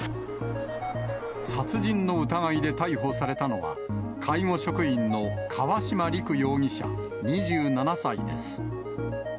殺人の疑いで逮捕されたのは、介護職員の川島陸容疑者２７歳です。